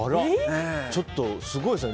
ちょっと、すごいですね。